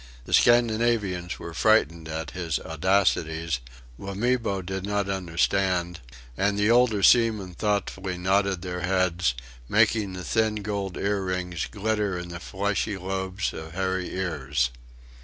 The Scandinavians were frightened at his audacities; Wamibo did not understand; and the older seamen thoughtfully nodded their heads making the thin gold earrings glitter in the fleshy lobes of hairy ears.